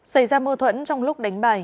xảy ra mơ thuẫn trong lúc đánh bài